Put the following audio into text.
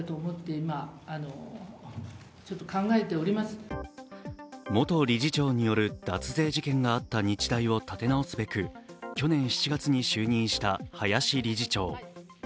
先週、林理事長らの会見では元理事長による脱税事件があった日大を立て直すべく去年７月に就任した林理事長。